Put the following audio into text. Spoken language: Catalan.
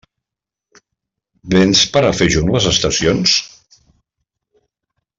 Véns per a fer junts les estacions?